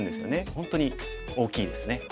本当に大きいですね。